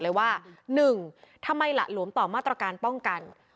แล้วก็ย้ำว่าจะเดินหน้าเรียกร้องความยุติธรรมให้ถึงที่สุด